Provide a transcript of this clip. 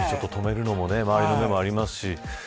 そこに止めるのも周りの目もありますし。